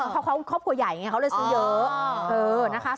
เพราะครอบครัวใหญ่เขาเลยซื้อเยอะ